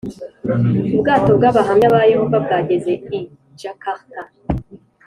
ubwato bw Abahamya ba Yehova bwageze i Jakarta